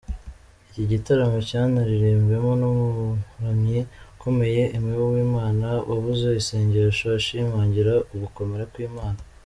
Iki gitaramo cyanaririmbwemo n’umuramyi ukomeye Aimé Uwimana wavuze isengesho ashimangira ugukomera kw’Imana.